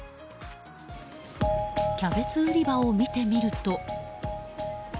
キャベツ売り場を見てみると。